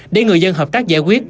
để người dân hợp tác giải quyết